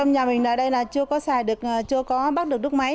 nhà mình ở đây là chưa có bắt được nước máy